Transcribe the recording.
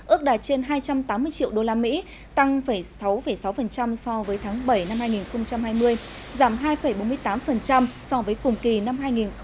ước đạt trên hai trăm tám mươi triệu usd tăng sáu sáu so với tháng bảy năm hai nghìn hai mươi giảm hai bốn mươi tám so với cùng kỳ năm hai nghìn một mươi chín